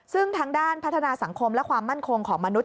ซึ่งทางด้านพัฒนาสังคมและความมั่นคงของมนุษย